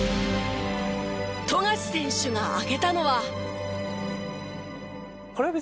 富樫選手が挙げたのは。